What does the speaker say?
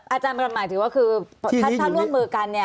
อาจารย์บรมหมายถึงว่าคือถ้าร่วมมือกัน